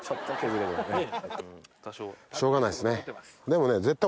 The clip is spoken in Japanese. しょうがないっすね。